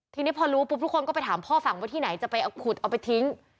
ทีนี้พอรู้ปุ๊บทุกคนก็ไปถามพ่อฝั่งว่าที่ไหนจะไปขุดเอาไปทิ้ง